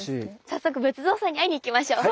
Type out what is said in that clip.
早速仏像さんに会いに行きましょう。